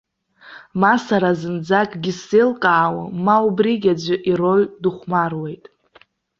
Ма сара зынӡа акгьы сзеилкаауам, ма убригь аӡәы ироль дыхәмаруеит.